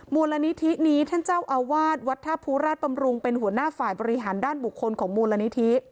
มูลนิธินี้ท่านเจ้าอาวาสวัดท่าภูราชบำรุงเป็นหัวหน้าฝ่ายบริหารด้านบุคคลของมูลนิธิ